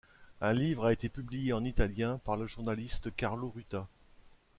Un livre a été publié en italien par le journaliste Carlo Ruta.